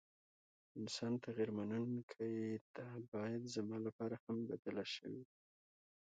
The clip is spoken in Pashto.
انسان تغير منونکي ده ، بايد زما لپاره هم بدله شوې ،